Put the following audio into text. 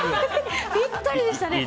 ぴったりでしたね。